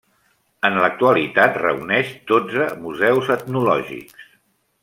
En l'actualitat reuneix dotze museus etnològics.